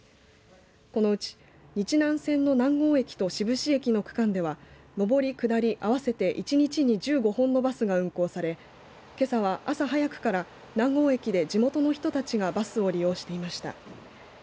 このうち日南線の南郷駅と志布志駅の区間では上り下り合わせて一日に１５本のバスが運行されけさは朝早くから南郷駅で地元の人たちがバスを利用していました。